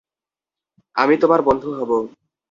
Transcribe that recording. আমি তোমার বন্ধু হব!